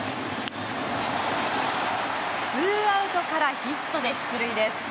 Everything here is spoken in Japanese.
ツーアウトからヒットで出塁です。